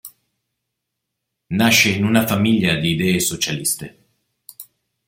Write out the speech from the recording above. Nasce in una famiglia di idee socialiste.